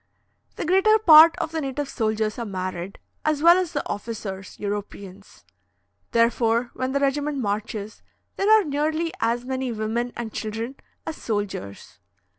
The greater part of the native soldiers are married, as well as the officers (Europeans); therefore, when the regiment marches, there are nearly as many women and children as soldiers.